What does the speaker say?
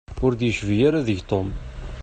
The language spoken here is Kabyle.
Ur d-yecbi ara deg-k Tom.